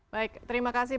baik terima kasih